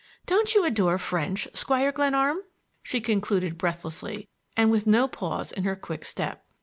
Don't you adore French, Squire Glenarm?" she concluded breathlessly, and with no pause in her quick step.